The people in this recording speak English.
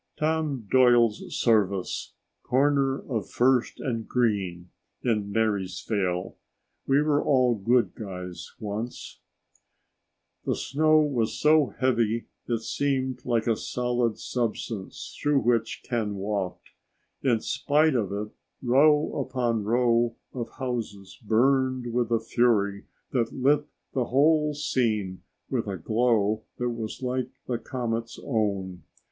Tom Doyle's Service, corner of First and Green in Marysvale. We were all good guys once." The snow was so heavy it seemed like a solid substance through which Ken walked. In spite of it, row upon row of houses burned with a fury that lit the whole scene with a glow that was like the comet's own.